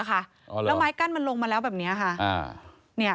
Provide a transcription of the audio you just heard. แล้วไม้กั้นมันลงมาแล้วแบบนี้ค่ะ